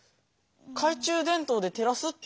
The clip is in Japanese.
懐中電灯でてらすってのはどう？